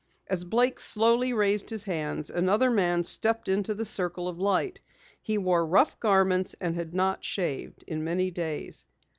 As Blake slowly raised his hands, another man stepped into the circle of light. He wore rough garments and had not shaved in many days.